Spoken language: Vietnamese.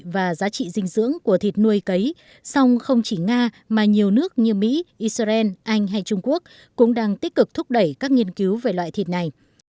và giá trị dinh dưỡng của thịt nuôi cấy song không chỉ nga mà nhiều nước như mỹ israel anh hay trung quốc cũng đang tích cực thúc đẩy các nghiên cứu về loại thịt này